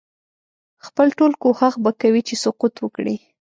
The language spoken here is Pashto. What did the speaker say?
خپل ټول کوښښ به کوي چې سقوط وکړي.